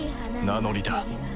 名乗りだ